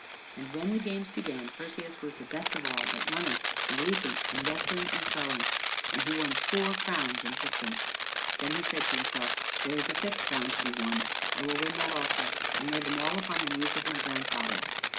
And when the games began, Perseus was the best of all at running and leaping, and wrestling and throwing. And he won four crowns and took them. Then he said to himself, "There is a fifth crown to be won. I will win that also, and lay them all upon the knees of my grandfather."